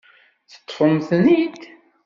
Teṭṭfem-ten-id?